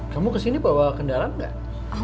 kamu kesini bawa kendaraan nggak